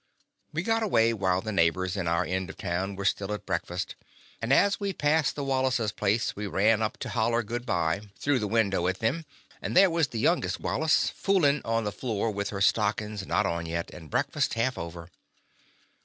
We got away while the neighbors in our end of town were still at break fast, and as we passed the Wallace's place we ran up to holler good by The Confessions of a Daddy through the window at them, and there was the youngest Wallace f oolin' on the floor with her stockings not on yet, and breakfast half over.